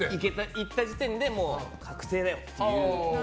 行った時点で確定だよっていう。